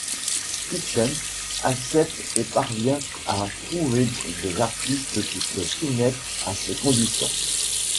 Kitchen accepte et parvient à trouver des artistes qui se soummettent à ces conditions.